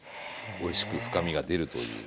おいしく深みが出るという。